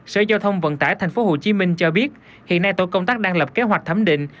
sở giao thông vận tải tp hcm cho biết hiện nay tổ công tác đang lập kế hoạch thẩm định